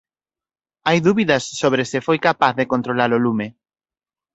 Hai dúbidas sobre se foi capaz de controlar o lume.